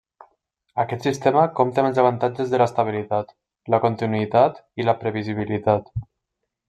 Aquest sistema compta amb els avantatges de l'estabilitat, la continuïtat i la previsibilitat.